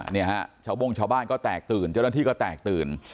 เนี่ยฮะชาวโบ้งชาวบ้านก็แตกตื่นเจ้าหน้าที่ก็แตกตื่น